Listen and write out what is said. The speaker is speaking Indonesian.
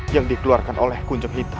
yang dikeluarkan oleh kunjung hitam